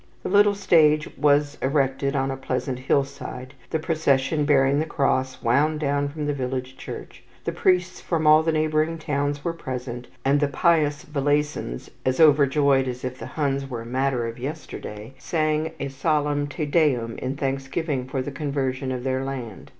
The little stage was erected on a pleasant hillside, the procession bearing the cross wound down from the village church, the priests from all the neighbouring towns were present, and the pious Valaisans as overjoyed as if the Huns were a matter of yesterday sang a solemn Te Deum in thanksgiving for the conversion of their land.